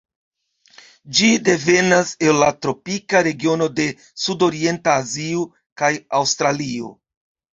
Ĝi devenas el la tropika regiono de Sudorienta Azio kaj Aŭstralio.